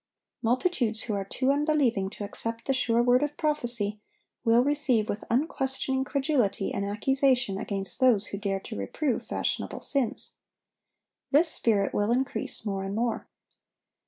Multitudes who are too unbelieving to accept the sure word of prophecy, will receive with unquestioning credulity an accusation against those who dare to reprove fashionable sins. This spirit will increase more and more.